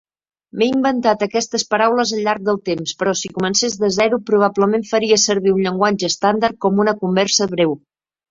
M'he inventat aquestes paraules al llarg del temps, però, si comencés de zero, probablement faria servir un llenguatge estàndard com una conversa breu.